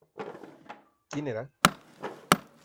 ¿ quién era?